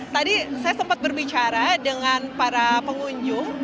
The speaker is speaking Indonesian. tadi saya sempat berbicara dengan para pengunjung